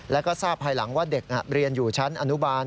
แล้วก็ทราบภายหลังว่าเด็กเรียนอยู่ชั้นอนุบาล